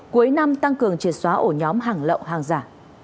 cuối năm tăng cường triệt xóa ổ nhóm hàng lậu hàng giả